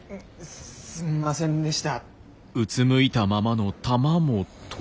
すんませんでした。